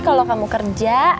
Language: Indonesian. kalau kamu kerja